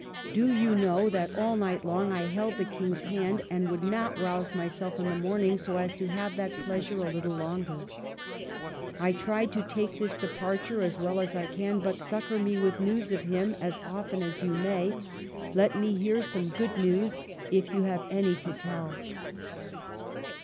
Do you know that all night long I held the King's hand, and would not rouse myself in the morning, so as to have that pleasure a little longer ? I try to take this departure as well as I can ; but succor me with news of him as often as you may. Let me hear some good news — if you have any to tell.